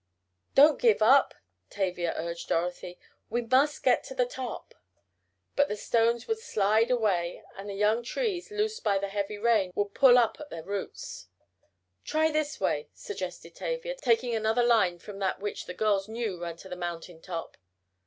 "Don't give up!" Tavia urged Dorothy. "We must get to the top." But the stones would slide away and the young trees, loosed by the heavy rain, would pull up at the roots. "Try this way," suggested Tavia, taking another line from that which the girls knew ran to the mountain top.